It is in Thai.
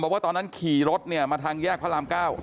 ว่าตอนนั้นขี่รถมาทางแยกพระราม๙